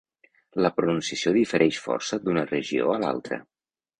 La pronunciació difereix força d'una regió a l'altra.